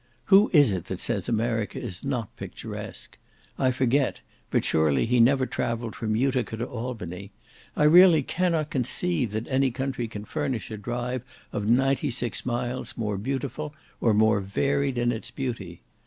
Who is it that says America is not picturesque? I forget; but surely he never travelled from Utica to Albany. I really cannot conceive that any country can furnish a drive of ninety six miles more beautiful, or more varied in its beauty.